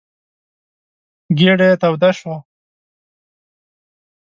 ګېډه يې توده شوه.